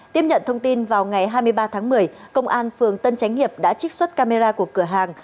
tiếp nhận thông tin vào ngày hai mươi ba tháng một mươi công an phường tân chánh hiệp đã trích xuất camera của cửa hàng